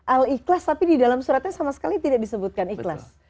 al ikhlas tapi di dalam suratnya sama sekali tidak disebutkan ikhlas